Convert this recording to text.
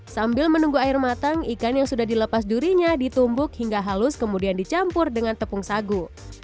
sambil menunggu air matang ikan yang sudah dilepas durinya ditumbuk hingga halus kemudian dicampur dengan tepung sagu